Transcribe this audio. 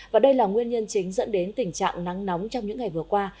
và đây là nguyên nhân chính dẫn đến tình trạng nắng nóng trong những ngày vừa qua